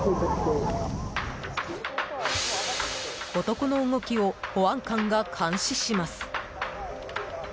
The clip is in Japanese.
男の動きを保安官が監視します。